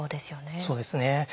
そうですね。